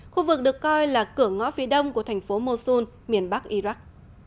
khu vực được coi là cửa ngõ phía đông của thành phố mosun miền bắc iraq